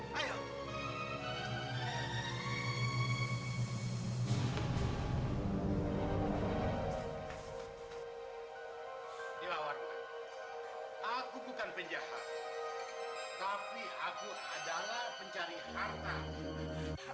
tapi aku adalah pencari harta